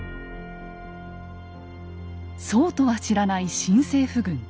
そうとは知らない新政府軍。